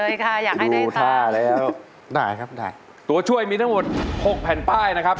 อยากให้ในถ้าค่ะได้ครับตัวช่วยมีทั้งหมด๖แผ่นป้ายนะครับ